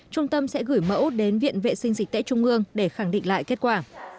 trung tâm sẽ gửi mẫu đến viện vệ sinh dịch tễ trung ương để khẳng định lại kết quả